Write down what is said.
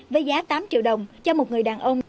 với giá tám triệu đồng cho một người đàn ông